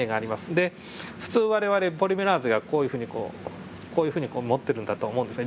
で普通我々ポリメラーゼがこういうふうにこうこういうふうにこう持ってるんだと思うんですね。